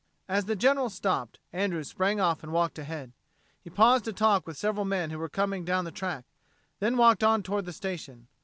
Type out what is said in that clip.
As the General stopped, Andrews sprang off and walked ahead. He paused to talk with several men who were coming down the track, then walked on toward the station.